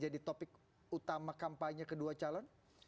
jadi topik utama kampanye kedua calon